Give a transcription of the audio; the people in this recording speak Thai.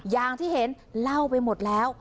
อย่างที่เห็นเล่าไปหมดแล้ว